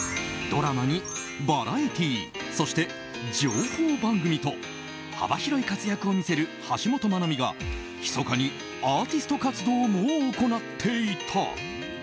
ドラマにバラエティーそして情報番組と幅広い活躍を見せる橋本マナミがひそかにアーティスト活動も行っていた。